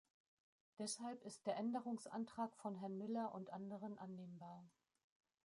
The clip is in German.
Deshalb ist der Änderungsantrag von Herrn Myller und anderen annehmbar.